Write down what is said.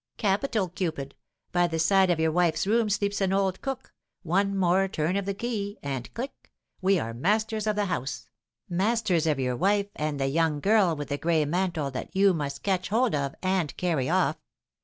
"Capital, Cupid! By the side of your wife's room sleeps an old cook one more turn of the key, and click! we are masters of the house masters of your wife, and the young girl with the gray mantle that you must catch hold of and carry off.